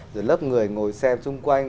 rồi lớp người ngồi xe xung quanh